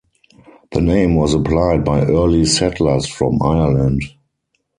The name was applied by early settlers from Ireland.